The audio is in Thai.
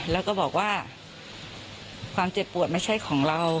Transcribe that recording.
แล้วก็บอกว่าความเจ็บปวดไม่ใช่ของเรา